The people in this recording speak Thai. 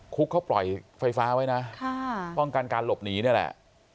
คุกเขาปล่อยไฟฟ้าไว้นะป้องกันการหลบหนีนี่แหละ